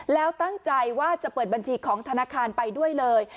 แล้วตั้งใจว่าจะเปิดบัญชีของธนาคารไปด้วยเลย